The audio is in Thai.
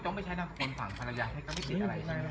โฉ่อย่างเดียว